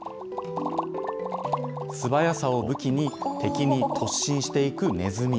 素早さを武器に、敵に突進していくネズミ。